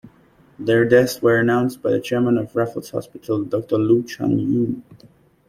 Their deaths were announced by the chairman of Raffles Hospital, Doctor Loo Choon Yong.